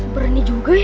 berani juga ya